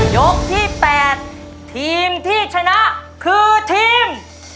ยกที่๘ทีมที่ชนะคือทีม